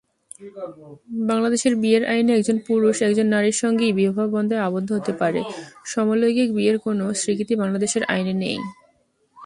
বাংলাদেশের বিয়ের আইনে একজন পুরুষ একজন নারীর সঙ্গেই বিবাহবন্ধনে আবদ্ধ হতে পারে, সমলৈঙ্গিক বিয়ের কোনো স্বীকৃতি বাংলাদেশের আইনে নেই।